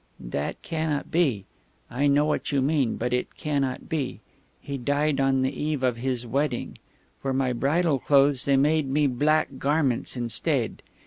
"That cannot be. I know what you mean, but it cannot be.... He died on the eve of his wedding. For my bridal clothes they made me black garments instead.